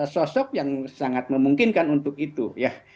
sosok yang sangat memungkinkan untuk itu ya